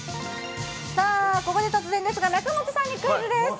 さあ、ここで突然ですが、中本さんにクイズです。